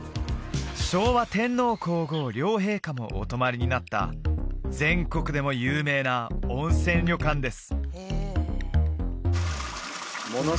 昭和天皇皇后両陛下もお泊まりになった全国でも有名な温泉旅館です